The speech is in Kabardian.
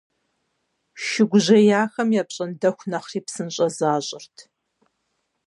Шы гужьеяхэми апщӀондэху нэхъри псынщӀэ защӀырт.